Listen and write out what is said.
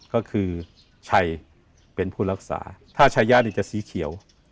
ก็คือชัยเป็นผู้รักษาถ้าชายะนี่จะสีเขียว